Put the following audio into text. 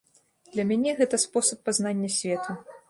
Для мяне гэта спосаб пазнання свету.